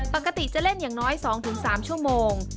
ปกติจะเล่นอย่างน้อย๒๓ชั่วโมง